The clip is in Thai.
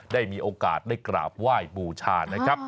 ได้มีโอกาสได้กราบไหว้บูชานะครับ